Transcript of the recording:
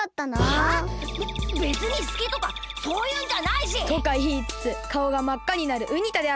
べべつにすきとかそういうんじゃないし！とかいいつつかおがまっかになるウニ太であった。